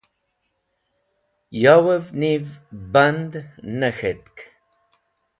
Yowev niv band ne k̃hetk.